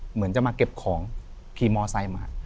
เหมือนจะมาเก็บของขี่มอไซค์มา